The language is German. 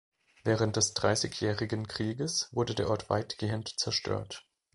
Während des Dreißigjährigen Krieges wurde der Ort weitgehend zerstört.